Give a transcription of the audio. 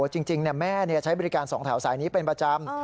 จริงแม่ใช้บริการ๒แถวสายนี้เป็นประจำ